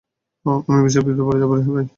আমি বিশাল বিপদে পড়ে যাবো রে, ভাই।